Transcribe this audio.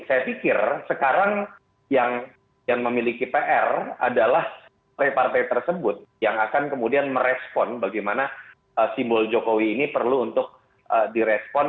saya pikir sekarang yang memiliki pr adalah partai partai tersebut yang akan kemudian merespon bagaimana simbol jokowi ini perlu untuk direspon